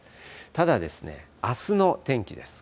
ただですね、あすの天気です。